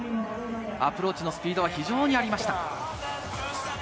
アプローチのスピードは非常にありました。